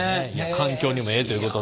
環境にもええということで。